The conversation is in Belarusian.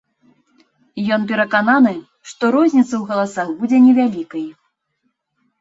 Ён перакананы, што розніца ў галасах будзе невялікай.